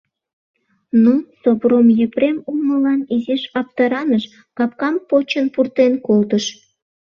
но Сопром Епрем улмылан изиш аптыраныш, капкам почын пуртен колтыш.